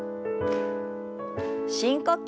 深呼吸。